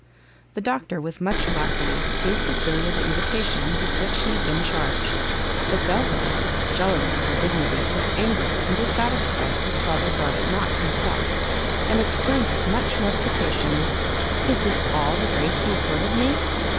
The Doctor with much alacrity gave Cecilia the invitation with which he had been charged; but Delvile, jealous for her dignity, was angry and dissatisfied his father brought it not himself, and exclaimed with much mortification, "Is this all the grace accorded me?"